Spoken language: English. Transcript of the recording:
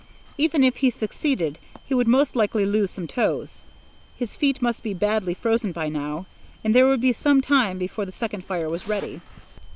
Even if he succeeded, he would most likely lose some toes. His feet must be badly frozen by now, and there would be some time before the second fire was ready.